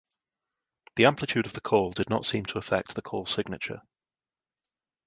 The amplitude of the call did not seem to affect the call signature.